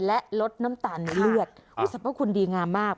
และลดน้ำตาลในเลือดสรรพคุณดีงามมาก